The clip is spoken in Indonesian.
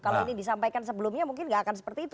kalau ini disampaikan sebelumnya mungkin nggak akan seperti itu